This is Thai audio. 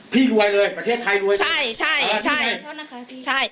พี่รวยเลยประเทศไทยรวยเลยใช่